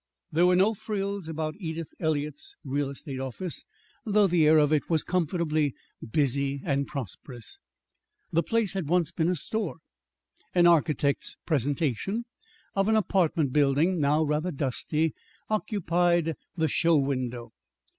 There were no frills about Edith Eliot's real estate office, though the air of it was comfortably busy and prosperous. The place had once been a store. An architect's presentation of an apartment building, now rather dusty, occupied the show window.